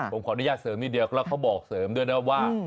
ผมขออนุญาตเสริมนิดเดียวแล้วเขาบอกเสริมด้วยนะว่า